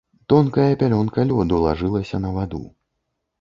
Тонкая пялёнка лёду лажылася на ваду.